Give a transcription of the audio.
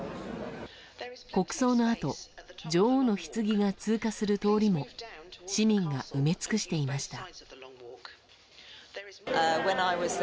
国葬のあと女王のひつぎが通過する通りも市民が埋め尽くしていました。